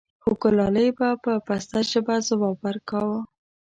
خوګلالۍ به په پسته ژبه ځواب وركا و :